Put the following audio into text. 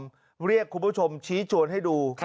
เขาเรียกคุณผู้ชมชี้จวนให้ดู